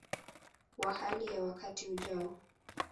wa hali ya wakati ujao